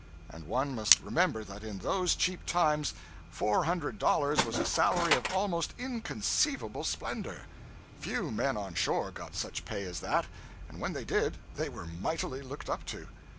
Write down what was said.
And one must remember that in those cheap times four hundred dollars was a salary of almost inconceivable splendor. Few men on shore got such pay as that, and when they did they were mightily looked up to.